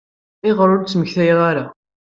Ayɣer ur d-temmektam ara?